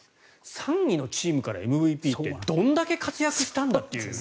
３位のチームからＭＶＰってどんだけ活躍したんだっていう。